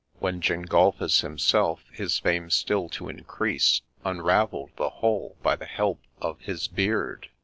When Gengulphus himself, his fame still to increase, Unravell'd the whole by the help of — his beard